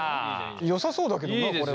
よさそうだけどなこれは。